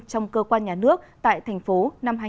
trong cơ quan nhà nước tại tp hcm năm hai nghìn hai mươi